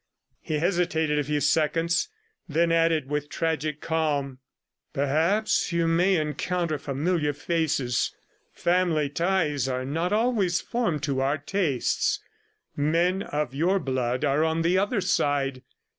He hesitated a few seconds, and then added with tragic calm: "Perhaps you may encounter familiar faces. Family ties are not always formed to our tastes. Men of your blood are on the other side.